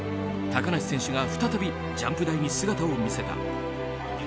高梨選手が再びジャンプ台に姿を見せた。